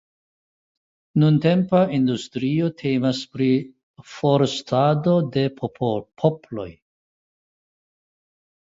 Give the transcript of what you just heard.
Nuntempa industrio temas pri forstado de poploj.